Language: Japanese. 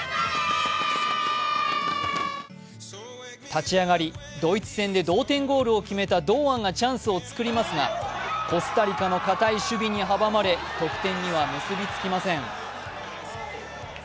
立ち上がり、ドイツ戦で同点ゴールを決めた堂安がチャンスを作りますが、コスタリカの堅い守備に阻まれ、得点には結びつきません。